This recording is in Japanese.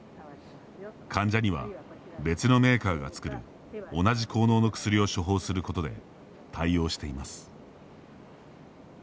患者には、別のメーカーが作る同じ効能の薬を処方することで対応しています。